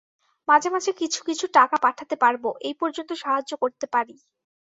মাঝে মাঝে কিছু কিছু টাকা পাঠাতে পারব, এই পর্যন্ত সাহায্য করতে পারি।